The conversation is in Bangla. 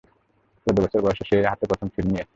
চৌদ্দ বছর বয়সে সে হাতে প্রথম ছুরি নিয়েছিলো।